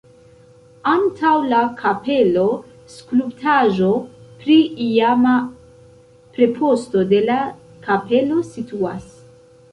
Antaŭ la kapelo skulptaĵo pri iama preposto de la kapelo situas.